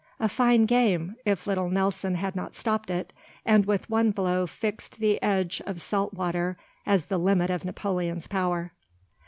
A fine game—if little Nelson had not stopped it, and with one blow fixed the edge of salt water as the limit of Napoleon's power.